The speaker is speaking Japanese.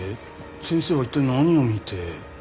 先生は一体何を見て。